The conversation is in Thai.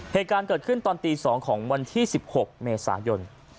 เหตุการณ์เกิดขึ้นตอนตี๒ของวันที่๑๖เมษายน